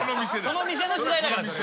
この店の時代だからそれは。